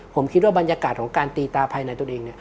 ผมคิดว่าบรรยากาศของการตีตาภายในตัวเอง